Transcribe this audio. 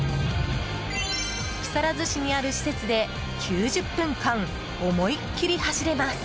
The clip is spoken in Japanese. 木更津市にある施設で９０分間、思いっきり走れます。